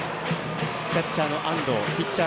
キャッチャーの安藤ピッチャー